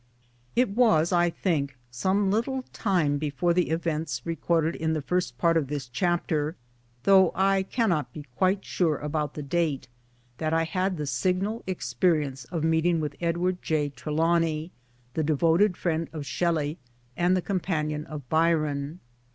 It was, I think, some little time before the events recorded in the first part of this chapter though MANUAL WORK [iig I cannot be quite sure about the date that I had the signal experience of meeting with Edward J. Trelawny, the devoted friend of Shelley and the companion of Byron.